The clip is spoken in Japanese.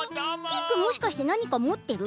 けいくんもしかしてなにかもってる？